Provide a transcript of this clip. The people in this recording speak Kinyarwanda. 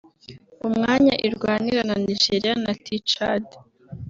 umwanya irwanira na Nigeria na Tchad